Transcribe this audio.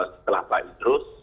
setelah pak idrus